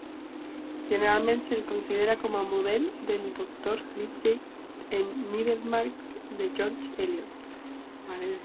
Generalment se'l considera com a model del Doctor Lydgate en Middlemarch, de George Eliot.